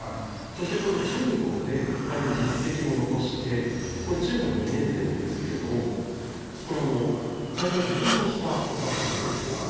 そしてその柔道で大変、実績も残して中学２年生なんですけれどもこれは大会で優勝したときの写真ですね。